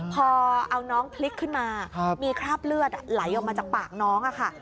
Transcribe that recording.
พอเอาน้องพลิกขึ้นมามีคราบเลือดไหลออกมาจากปากน้องค่ะ